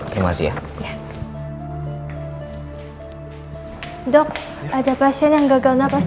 di rumah sakit yang bernama sumarno nggak ada pasien